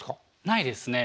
ないですね。